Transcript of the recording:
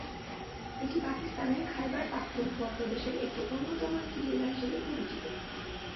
এটি পাকিস্তানের খাইবার পাখতুনখোয়া প্রদেশের একটি অন্যতম একটি জেলা হিসেবে পরিচিত।